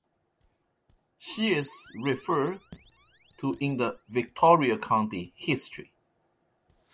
She is referred to in the "Victoria County History".